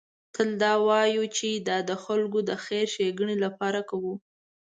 تل دا وایو چې دا د خلکو د خیر ښېګڼې لپاره کوو.